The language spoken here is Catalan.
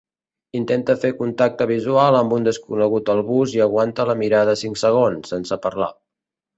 Intenta fer contacte visual amb un desconegut al bus i aguanta la mirada cinc segons, sense parlar.